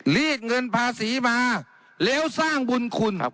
ลีกเงินภาษีมาแล้วสร้างบุญคุณครับ